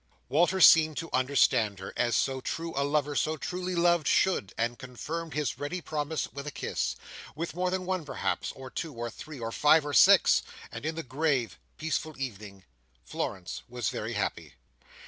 Walter seemed to understand her, as so true a lover so truly loved should, and confirmed his ready promise with a kiss—with more than one perhaps, or two or three, or five or six; and in the grave, peaceful evening, Florence was very happy.